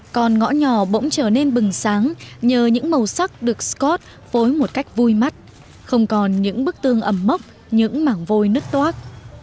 còn ngõ nhỏ bỗng trở nên bừng sáng nhờ những màu sắc được scott phối một cách vui mắt không còn những bức tương ẩm mốc những mảng vôi nứt toác